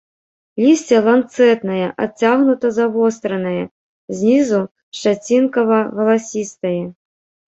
Лісце ланцэтнае, адцягнута завостранае, знізу шчацінкава-валасістае.